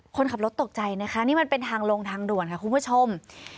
คนขับรถตกใจนะคะนี่มันเป็นทางลงทางด่วนค่ะคุณผู้ชม